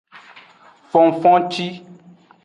Fonfonci.